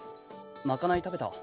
賄い食べた。